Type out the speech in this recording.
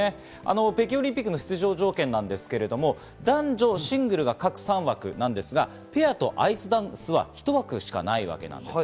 北京オリンピックの出場条件ですが、男女シングルスが各３枠なんですが、ペアとアイスダンスはひと枠しかないわけなんです。